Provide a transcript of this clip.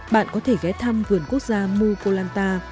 bạn có thể ghé thăm vườn quốc gia mu koh lanta